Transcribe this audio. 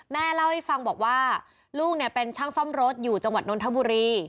แม่เล่าให้ฟังบอกว่าลูกเนี่ยเป็นช่างซ่อมรถอยู่จังหวัดนทบุรี